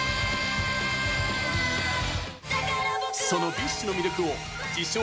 そのＢｉＳＨの魅力を自称